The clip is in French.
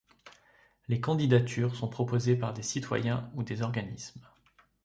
Les candidatures sont proposées par des citoyens ou des organismes.